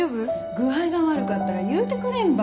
具合が悪かったら言うてくれんば。